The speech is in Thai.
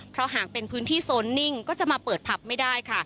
เพราะหากเป็นพื้นที่โซนนิ่งก็จะมาเปิดผับไม่ได้ค่ะ